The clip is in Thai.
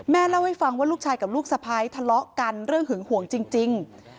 เล่าให้ฟังว่าลูกชายกับลูกสะพ้ายทะเลาะกันเรื่องหึงห่วงจริง